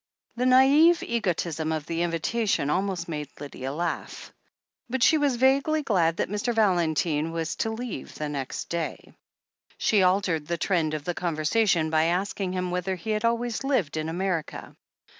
The naive egotism of the invitation almost made Lydia laugh. But she was vaguely glad that Mr. Valentine was to leave next day. She altered the trend of the conversation by asking him whether he had always lived in America.